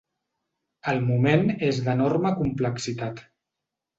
El moment és d’enorme complexitat.